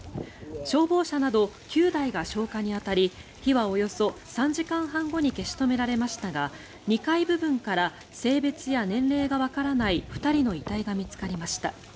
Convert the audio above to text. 消防車など９台が消火に当たり火はおよそ３時間半後に消し止められましたが２階部分から性別や年齢がわからない２人の遺体が見つかりました。